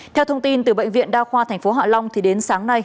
theo thông tin từ bệnh viện đa khoa tp hạ long đến sáng nay